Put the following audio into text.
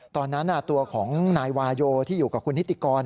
ตอนนั้นตัวของนายวาโยที่อยู่กับคุณนิติกร